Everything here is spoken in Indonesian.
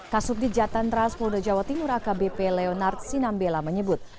kasubdit jatangras polda jawa timur akbp leonard sinambela menyebut